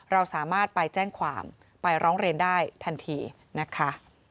เราสามารถไปแจ้งความไปร้องเรียนได้ทันทีนะคะ